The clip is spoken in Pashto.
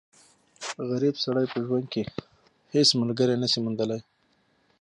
غریب سړی په ژوند کښي هيڅ ملګری نه سي موندلای.